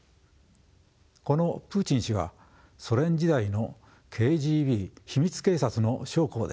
このプーチン氏はソ連時代のＫＧＢ秘密警察の将校でした。